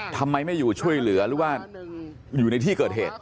ทำไมไม่อยู่ช่วยเหลือหรือว่าอยู่ในที่เกิดเหตุ